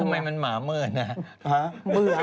ทำไมมันหมาเมื่อนนะ